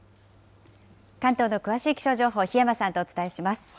関東の詳しい気象情報、檜山さんとお伝えします。